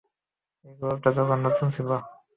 এই গ্রুপটা তখন নতুন ছিল।